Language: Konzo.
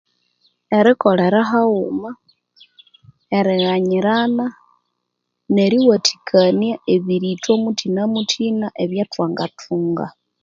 Erikolera haghuma erighanyirana neriwathikania ebiritho muthina muthina ebya thwangathunga